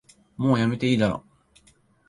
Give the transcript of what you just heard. もうやめていいだろ